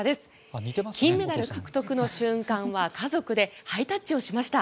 金メダル獲得の瞬間は家族でハイタッチをしました。